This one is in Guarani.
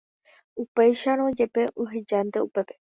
upéicharõjepe, ohejánte upépe.